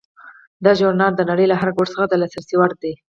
دا ژورنال د نړۍ له هر ګوټ څخه د لاسرسي وړ دی.